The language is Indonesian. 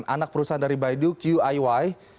anak perusahaan dari baidu qiy